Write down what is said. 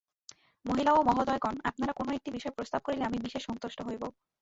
মহিলা ও মহোদয়গণ, আপনারা কোন একটি বিষয় প্রস্তাব করিলে আমি বিশেষ সন্তুষ্ট হইব।